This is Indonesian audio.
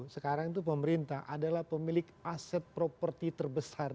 sekarang itu pemerintah adalah pemilik aset properti terbesar